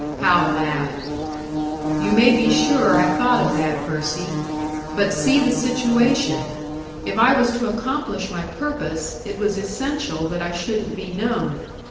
Hal laughed. "You may be sure I thought of that, Percy. But see the situation! If I was to accomplish my purpose, it was essential that I shouldn't be known.